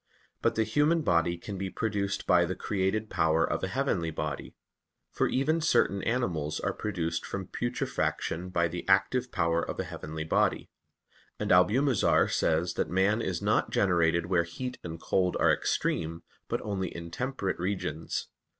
But the human body can be produced by the created power of a heavenly body; for even certain animals are produced from putrefaction by the active power of a heavenly body; and Albumazar says that man is not generated where heat and cold are extreme, but only in temperate regions.